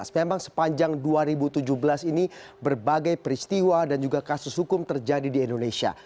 memang sepanjang dua ribu tujuh belas ini berbagai peristiwa dan juga kasus hukum terjadi di indonesia